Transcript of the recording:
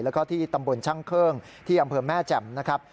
แล้วก็ที่ตำบลช่างเครื่องที่อำเภอแม่แจ่มนะครับ